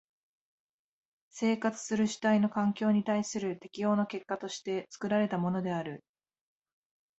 生活する主体の環境に対する適応の結果として作られたものである。